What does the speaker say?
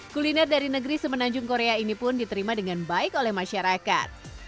kuliner dari negeri semenanjung korea ini pun diterima dengan baik oleh masyarakat